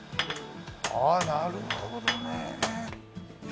ああなるほどね。